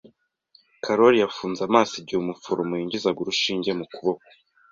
Karoli yafunze amaso igihe umuforomo yinjizaga urushinge mu kuboko.